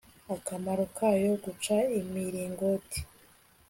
akamaro kayo guca imiringoti